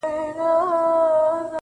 په ساز جوړ وم، له خدايه څخه ليري نه وم~